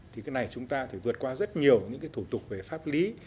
thì cái này chúng ta phải vượt qua rất nhiều những cái thủ tục về pháp lý